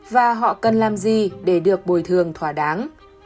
và họ cần làm gì để được bồi thường thỏa đáng